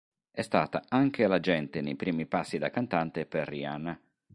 È stata anche l'agente nei primi passi da cantante per Rihanna.